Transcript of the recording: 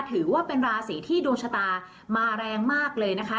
ถือว่าเป็นราศีที่ดวงชะตามาแรงมากเลยนะคะ